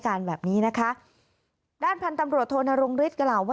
ด้านพันธุ์ตำรวจโธนโรงฤทธิ์กล่าว